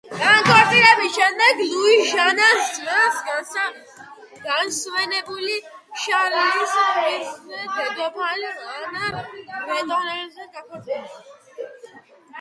განქორწინების შემდეგ ლუი ჟანას ძმის, განსვენებული შარლის ქვრივზე, დედოფალ ანა ბრეტონელზე დაქორწინდა.